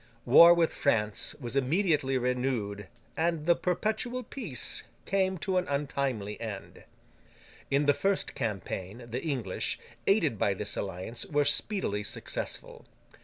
War with France was immediately renewed, and the Perpetual Peace came to an untimely end. In the first campaign, the English, aided by this alliance, were speedily successful.